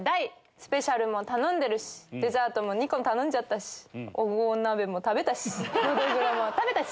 スペシャルメニューも頼んでるしデザートも２個頼んだし黄金鍋も食べたしノドグロも食べたし！